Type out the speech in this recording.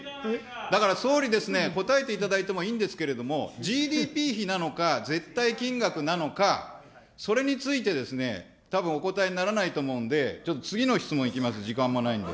だから総理ですね、答えていただいてもいいんですけれども、ＧＤＰ比なのか、絶対金額なのか、それについてですね、たぶんお答えにならないと思うんで、ちょっと次の質問いきます、時間もないので。